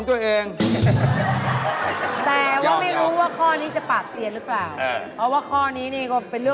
แล้วแก้วอะไรของบอล